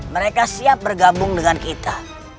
mereka siap bergabung dengan kita